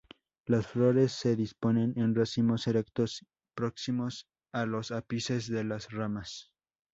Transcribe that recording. Las flores se disponen en racimos erectos, próximos a los ápices de las ramas.